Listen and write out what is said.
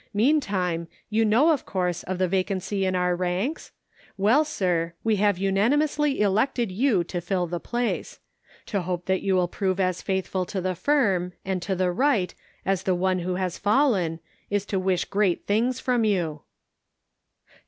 Meantime, you know, of course, of the vacancy in our ranks? Well, sir, we have unanimously elected you to fill the place. To hope that you will prove as faithful to the firm, and to the right, as the one who has fallen, is to wish great things for you."